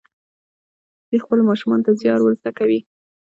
دوی خپلو ماشومانو ته زیار ور زده کوي.